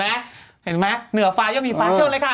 เห็นไหมเห็นไหมเหนือฟ้ายก็มีฟ้าเชิงอะไรค่ะ